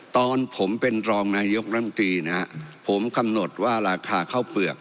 ตอนผมเป็นรองนายกรัมตรีนะฮะผมกำหนดว่าราคาข้าวเปลือก